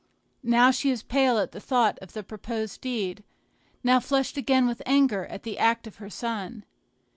Now she is pale at the thought of the proposed deed, now flushed again with anger at the act of her son.